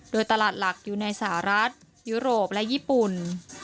โดยตลาดหลักอยู่ในสหรัฐยุโรปและญี่ปุ่น